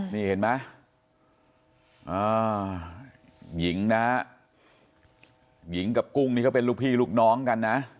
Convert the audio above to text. นี่เห็นไหมหญิงนะฮะหญิงกับกุ้งนี่เขาเป็นลูกพี่ลูกน้องกันนะ